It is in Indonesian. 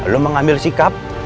lu mengambil sikap